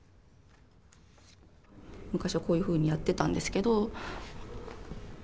昔はこういうふうにやってたんですけど。